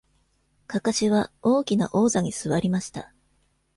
かかしは大きな王座に座りました。